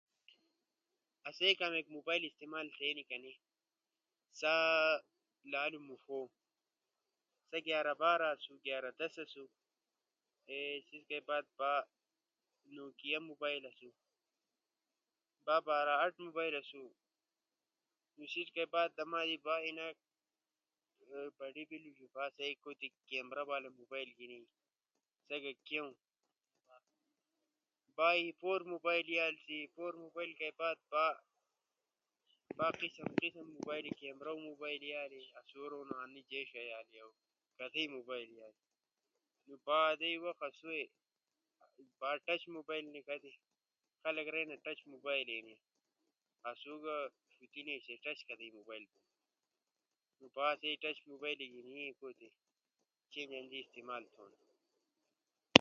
آسئی کامیک موبائل استعمال تھینی کنئی۔ سا لالو موݜو سا گیارا بارا اسُو، گیارا دس اسُو، سیس کئی بعد با نوکیا موبائل اسُو۔ با بارا آٹھ موبائل اسُو، نو سیس کئی بعد دمادے با ایناک بڑے بیلی نو با آسئی ݜو تی کیمرا موبائل گھینی، سی سا گا کیو موبائل اسُو با ای فور موبائلے آلسی، ای فور کئی بعد با قسماقسم موبائلے کیمرو موبائلے الی، آسو رونا با می جے شیئی آلی اؤ سئی موبائلے آلی۔ با آدیئی وخ با آسو ئےبا ٹچ موبائل نیکھاتی، خلق نیکھائینا ٹچ موبائلے ہنی، آسوگا یقین نیِش کے ٹچ کدی موبائل بون۔ نو با آسئی ٹچ موبائلے گھینی آسو تی، چیں منجی استعمال تھون۔